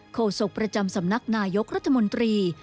โศกประจำสำนักนายกรัฐมนตรี